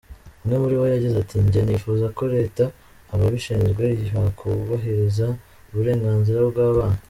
Umwe muri bo yagize ati “Njye nifuza ko Leta, ababishinzwe bakubahiriza uburenganzira bw’abana.